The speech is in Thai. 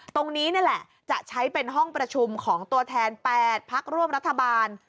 ตรงนี้นี่แหละจะใช้เป็นห้องประชุมของตัวแทน๘พักร่วมรัฐบาล